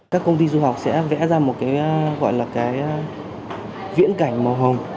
các công ty du học sẽ vẽ ra một cái gọi là cái viễn cảnh màu hồng